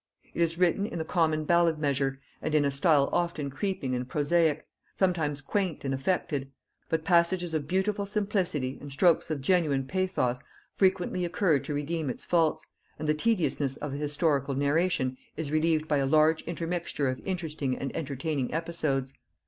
It is written in the common ballad measure, and in a style often creeping and prosaic, sometimes quaint and affected; but passages of beautiful simplicity and strokes of genuine pathos frequently occur to redeem its faults, and the tediousness of the historical narration is relieved by a large intermixture of interesting and entertaining episodes.